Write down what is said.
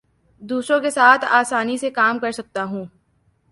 دوسروں کے ساتھ آسانی سے کام کر سکتا ہوں